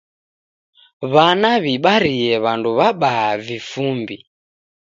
W'ana w'ibarie w'andu w'abaa vifumbi.